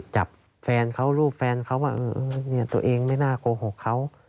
จับแฟนเขารูปแฟนเขาว่าตัวเองไม่น่าโกหกเขา